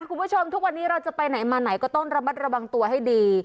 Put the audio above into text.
คุณผู้ชมทุกวันนี้เราจะไปไหนมาไหนก็ต้องระมัดระวังตัวให้ดี